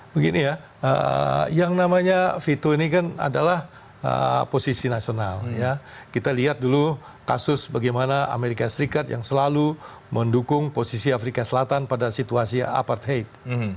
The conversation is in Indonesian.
begini ya yang namanya vito ini kan adalah posisi nasional ya kita lihat dulu kasus bagaimana amerika serikat yang selalu mendukung posisi afrika selatan pada situasi apartheid